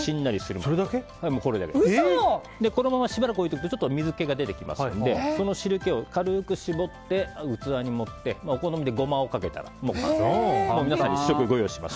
このまましばらく置いておくとちょっと水気が出てきますのでその汁気を軽く絞って器に盛ってお好みでゴマをかけたらもう完成です。